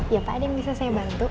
ya pak ada yang bisa saya bantu